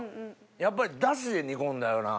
やっぱりダシで煮込んだような。